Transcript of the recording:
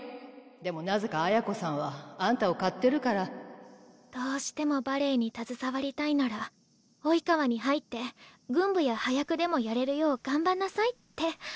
でもなぜか綾子さんはあんたを買ってるからどうしてもバレエに携わりたいなら「生川」に入って群舞や端役でもやれるよう頑張んなさいって。